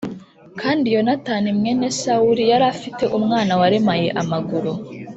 Kandi Yonatani mwene Sawuli yari afite umwana waremaye amaguru.